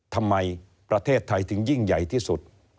ประเทศไทยถึงยิ่งใหญ่ที่สุด